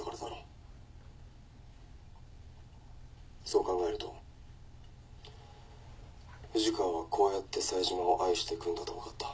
そう考えると藤川はこうやって冴島を愛してくんだと分かった。